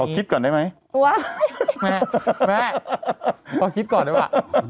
ขอคิดก่อนเลยป่ะ